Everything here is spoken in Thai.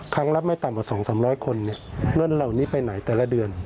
ครั้งละไม่ต่ำกว่า๒๓๐๐คนเงินเหล่านี้ไปไหนแต่ละเดือน